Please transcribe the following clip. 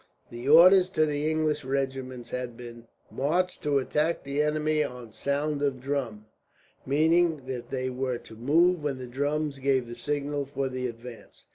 The orders to the English regiments had been, "March to attack the enemy on sound of drum," meaning that they were to move when the drums gave the signal for the advance.